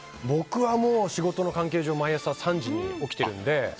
僕は仕事の関係上毎朝３時に起きてるんで。